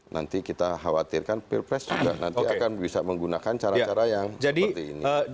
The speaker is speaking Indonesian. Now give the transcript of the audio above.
nanti kita khawatirkan pilpres juga nanti akan bisa menggunakan cara cara yang seperti ini